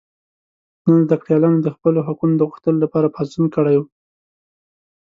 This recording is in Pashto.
نن زده کړیالانو د خپلو حقونو د غوښتلو لپاره پاڅون کړی و.